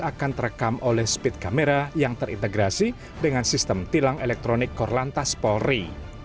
akan terekam oleh speed kamera yang terintegrasi dengan sistem tilang elektronik korlantas polri